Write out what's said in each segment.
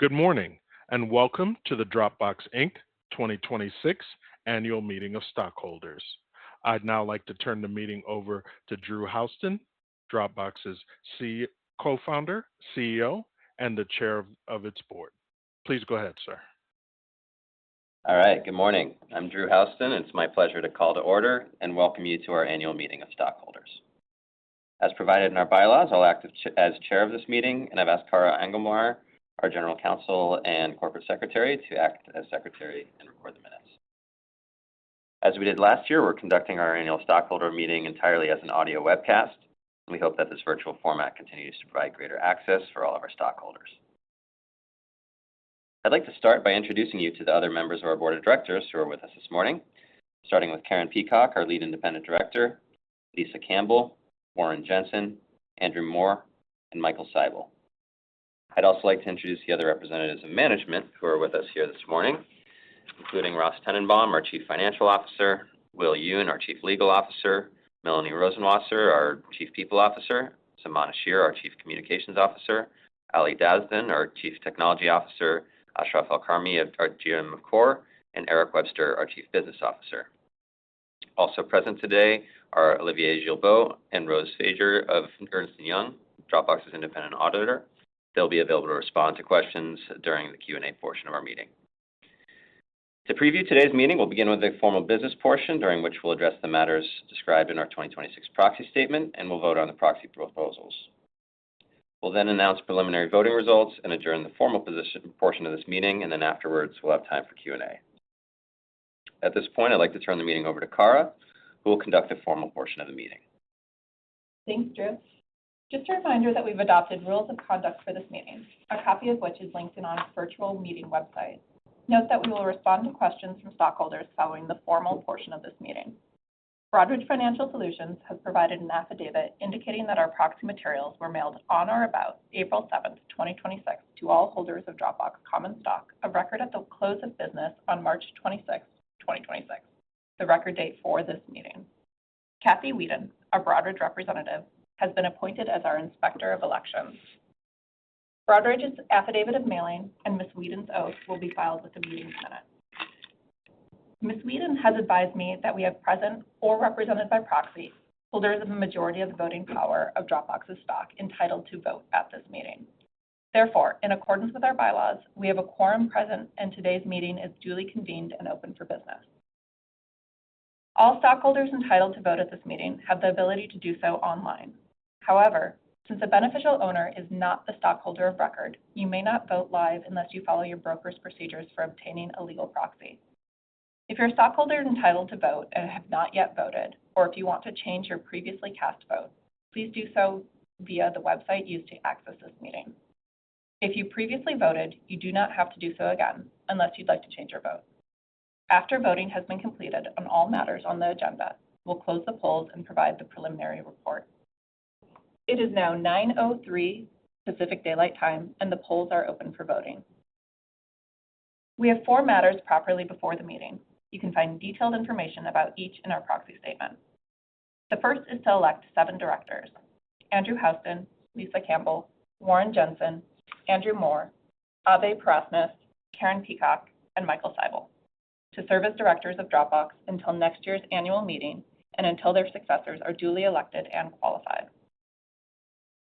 Good morning, welcome to the Dropbox Inc. 2026 Annual Meeting of Stockholders. I'd now like to turn the meeting over to Drew Houston, Dropbox's Co-founder, CEO, and the Chair of its board. Please go ahead, sir. All right. Good morning. I'm Drew Houston. It's my pleasure to call to order and welcome you to our annual meeting of stockholders. As provided in our bylaws, I'll act as chair of this meeting, and I've asked Kara Engelmohr, our General Counsel and Corporate Secretary, to act as secretary and record the minutes. As we did last year, we're conducting our annual stockholder meeting entirely as an audio webcast, and we hope that this virtual format continues to provide greater access for all of our stockholders. I'd like to start by introducing you to the other members of our board of directors who are with us this morning, starting with Karen Peacock, our Lead Independent Director, Lisa Campbell, Warren Jenson, Andrew Moore, and Michael Seibel. I'd also like to introduce the other representatives of management who are with us here this morning, including Ross Tennenbaum, our Chief Financial Officer, Will Yoon, our Chief Legal Officer, Melanie Rosenwasser, our Chief People Officer, Saman Asheer, our Chief Communications Officer, Ali Dasdan, our Chief Technology Officer, Ashraf Alkarmi, our GM of Core, and Eric Webster, our Chief Business Officer. Also present today are Olivier Gilbeau and Rose Fasher of Ernst & Young, Dropbox's independent auditor. They'll be available to respond to questions during the Q&A portion of our meeting. To preview today's meeting, we'll begin with a formal business portion, during which we'll address the matters described in our 2026 proxy statement, and we'll vote on the proxy proposals. We'll then announce preliminary voting results and adjourn the formal portion of this meeting, and then afterwards, we'll have time for Q&A. At this point, I'd like to turn the meeting over to Kara, who will conduct the formal portion of the meeting. Thanks Drew. Just a reminder that we've adopted rules of conduct for this meeting, a copy of which is linked in on our virtual meeting website. Note that we will respond to questions from stockholders following the formal portion of this meeting. Broadridge Financial Solutions has provided an affidavit indicating that our proxy materials were mailed on or about April 7th, 2026, to all holders of Dropbox common stock of record at the close of business on March 26th, 2026, the record date for this meeting. Kathy Wheadon, our Broadridge representative, has been appointed as our Inspector of Elections. Broadridge's affidavit of mailing and Ms. Wheadon's oath will be filed with the meeting's minutes. Ms. Wheadon has advised me that we have present, or represented by proxy, holders of the majority of the voting power of Dropbox's stock entitled to vote at this meeting. Therefore, in accordance with our bylaws, we have a quorum present and today's meeting is duly convened and open for business. All stockholders entitled to vote at this meeting have the ability to do so online. However, since the beneficial owner is not the stockholder of record, you may not vote live unless you follow your broker's procedures for obtaining a legal proxy. If you're a stockholder entitled to vote and have not yet voted, or if you want to change your previously cast vote, please do so via the website used to access this meeting. If you previously voted, you do not have to do so again unless you'd like to change your vote. After voting has been completed on all matters on the agenda, we'll close the polls and provide the preliminary report. It is now 9:03 A.M. Pacific daylight time, and the polls are open for voting. We have four matters properly before the meeting. You can find detailed information about each in our proxy statement. The first is to elect seven directors, Drew Houston, Lisa Campbell, Warren Jenson, Andrew Moore, Abhay Parasnis, Karen Peacock, and Michael Seibel, to serve as directors of Dropbox until next year's annual meeting and until their successors are duly elected and qualified.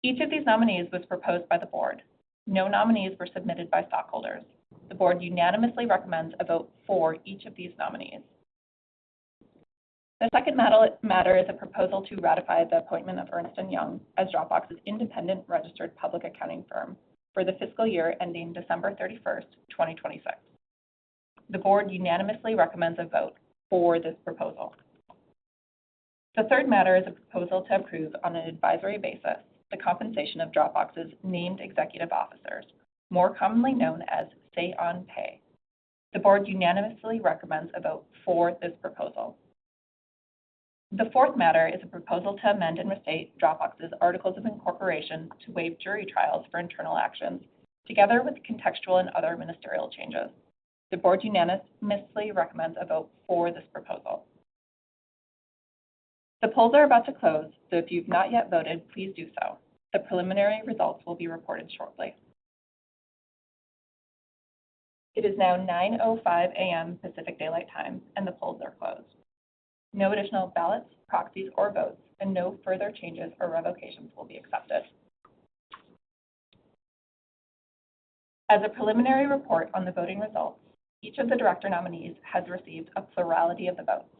Each of these nominees was proposed by the board. No nominees were submitted by stockholders. The board unanimously recommends a vote for each of these nominees. The second matter is a proposal to ratify the appointment of Ernst & Young as Dropbox's independent registered public accounting firm for the fiscal year ending December 31st, 2026. The board unanimously recommends a vote for this proposal. The third matter is a proposal to approve, on an advisory basis, the compensation of Dropbox's named executive officers, more commonly known as say on pay. The board unanimously recommends a vote for this proposal. The fourth matter is a proposal to amend and restate Dropbox's articles of incorporation to waive jury trials for internal actions together with contextual and other ministerial changes. The board unanimously recommends a vote for this proposal. The polls are about to close, so if you've not yet voted, please do so. The preliminary results will be reported shortly. It is now 9:05 A.M. Pacific daylight time, and the polls are closed. No additional ballots, proxies, or votes, and no further changes or revocations will be accepted. As a preliminary report on the voting results, each of the director nominees has received a plurality of the votes.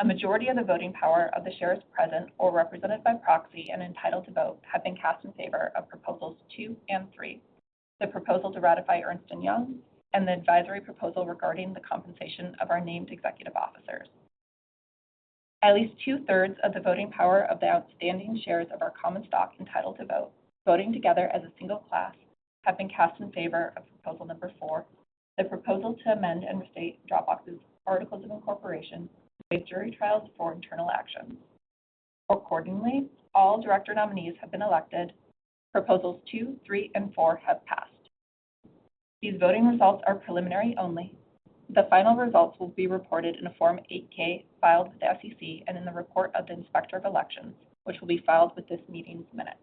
A majority of the voting power of the shares present or represented by proxy and entitled to vote have been cast in favor of proposals two and three, the proposal to ratify Ernst & Young and the advisory proposal regarding the compensation of our named executive officers. At least 2/3 of the voting power of the outstanding shares of our common stock entitled to vote, voting together as a single class, have been cast in favor of proposal number four, the proposal to amend and restate Dropbox's articles of incorporation to waive jury trials for internal actions. Accordingly, all director nominees have been elected. Proposals two, three, and four have passed. These voting results are preliminary only. The final results will be reported in a Form 8-K filed with the SEC and in the report of the Inspector of Elections, which will be filed with this meeting's minutes.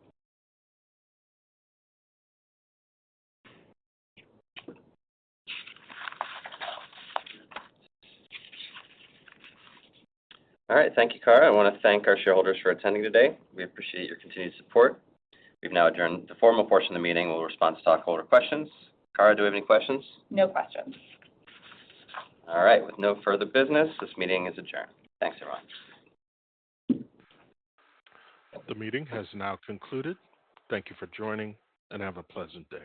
All right. Thank you, Kara. I want to thank our shareholders for attending today. We appreciate your continued support. We've now adjourned the formal portion of the meeting. We'll respond to stockholder questions. Kara, do we have any questions? No questions. All right. With no further business, this meeting is adjourned. Thanks, everyone. The meeting has now concluded. Thank you for joining, and have a pleasant day.